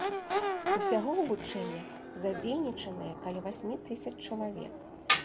Усяго ў вучэннях задзейнічаныя каля васьмі тысяч чалавек.